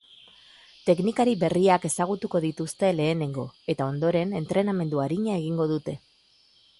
Teknikari berriak ezagutuko dituzte lehenengo, eta ondoren entrenamendu arina egingo dute.